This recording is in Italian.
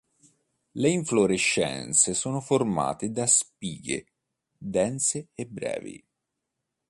Le infiorescenze sono formate da spighe dense e brevi.